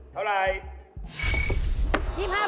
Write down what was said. เท่าไหร่